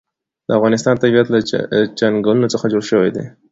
د افغانستان طبیعت له چنګلونه څخه جوړ شوی دی.